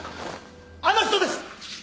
あの人です！